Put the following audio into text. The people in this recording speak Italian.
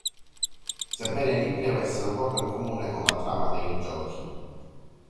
Sebbene i libri avessero poco in comune con la trama dei giochi.